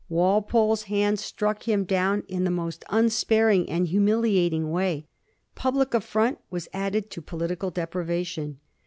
Walpole's hand struck him down in the most unsparing and humiliating way. Public affront was add ed to political deprivation.